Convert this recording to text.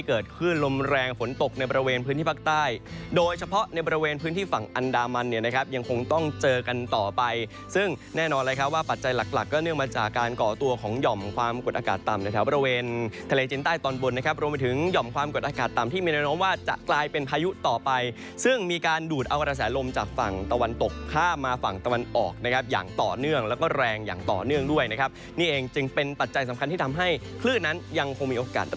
เกิดขึ้นลมแรงฝนตกในบริเวณพื้นที่ภาคใต้โดยเฉพาะในบริเวณพื้นที่ฝั่งอันดามันเนี่ยนะครับยังคงต้องเจอกันต่อไปซึ่งแน่นอนเลยครับว่าปัจจัยหลักก็เนื่องมาจากการก่อตัวของหย่อมความกดอากาศต่ำในแถวบริเวณทะเลเจนใต้ตอนบนนะครับรวมไปถึงหย่อมความกดอากาศต่ำที่มีอนุม